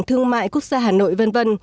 thương mại quốc gia hà nội v v